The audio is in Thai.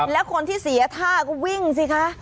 แล้วคนที่เสียท่าก็วิ่งสิคะ